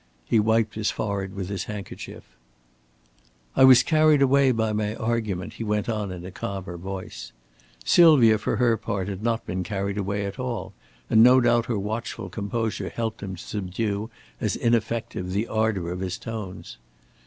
He wiped his forehead with his handkerchief. "I was carried away by my argument," he went on in a calmer voice. Sylvia for her part had not been carried away at all, and no doubt her watchful composure helped him to subdue as ineffective the ardor of his tones.